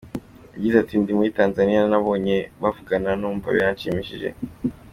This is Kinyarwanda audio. Yagize ati "Ndi muri Tanzaniya nababonye bavugana numva biranshimishije.